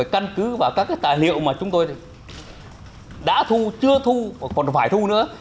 căn cứ và các tài liệu mà chúng tôi đã thu chưa thu còn phải thu nữa